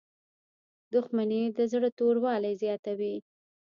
• دښمني د زړه توروالی زیاتوي.